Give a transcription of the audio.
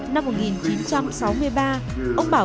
năm một nghìn chín trăm sáu mươi ba ông bảo